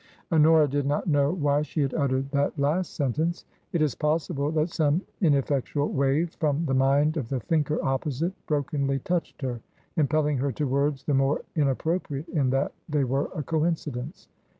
^^ Honora did not know why she had uttered that last TRANSITION. 327 sentence. It is possible that some ineffectual wave from the mind of the thinker opposite brokenly touched her, impelling her to words the more inappropriate in that they were a coincidence.